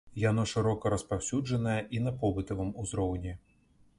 Яно шырока распаўсюджанае і на побытавым узроўні.